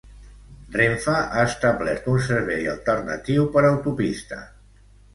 Renfe ha establert un servei alternatiu per autopista.